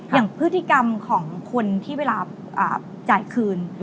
อย่างพฤติกรรมของคนที่เวลาจ่ายคืน